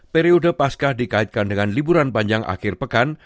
periode paskah dikaitkan dengan liburan panjang akhir pekan